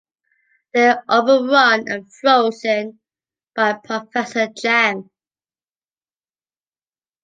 They’re overrun and frozen by Professor Chang.